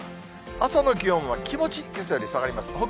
朝の気温は気持ちけさより下がります。